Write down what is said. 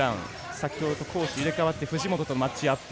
先ほどと攻守入れ代わって藤本とマッチアップ。